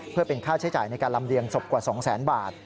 เพื่อเป็นค่าใช้จ่ายในการลำเลียงศพกว่า๒แสนบาท